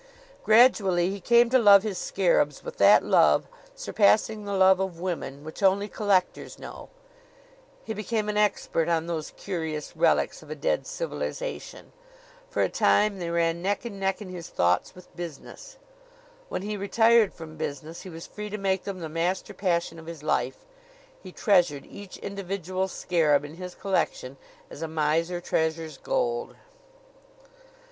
Gradually he came to love his scarabs with that love, surpassing the love of women, which only collectors know. He became an expert on those curious relics of a dead civilization. For a time they ran neck and neck in his thoughts with business. When he retired from business he was free to make them the master passion of his life. He treasured each individual scarab in his collection as a miser treasures gold.